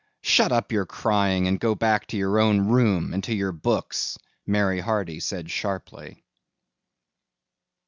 "Shut up your crying and go back to your own room and to your books," Mary Hardy said sharply.